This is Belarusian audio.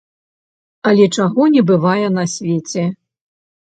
Але чаго не бывае на свеце!